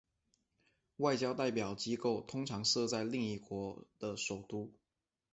外交代表机构通常设在另一国的首都。